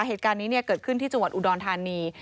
เหตุการณ์นี้เกิดขึ้นที่จังหวัดอุดรธานี